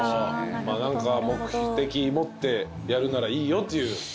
何か目的持ってやるならいいよっていう。